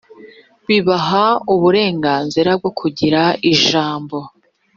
bibaha uburenganzira bwo kugira ijambo